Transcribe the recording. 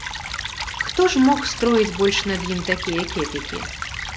Хто ж мог строіць больш над ім такія кепікі?